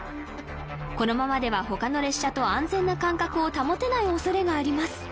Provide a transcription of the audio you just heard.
このままでは他の列車と安全な間隔を保てない恐れがあります